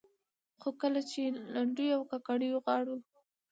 خو کله چې لنډيو او کاکړيو غاړو